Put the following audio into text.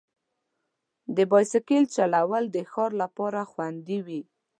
د بایسکل چلول د ښار لپاره خوندي وي.